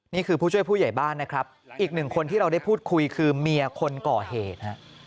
ผู้ช่วยผู้ใหญ่บ้านนะครับอีกหนึ่งคนที่เราได้พูดคุยคือเมียคนก่อเหตุฮะ